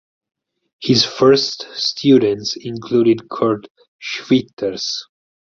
His first students included Kurt Schwitters.